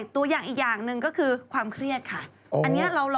ตัวอย่างอีกอย่างหนึ่งก็คือความเครียดค่ะ